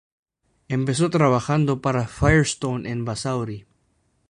Empezó trabajando para Firestone en Basauri.